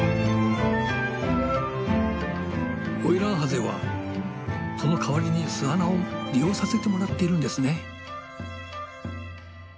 オイランハゼはそのかわりに巣穴を利用させてもらっているんですね。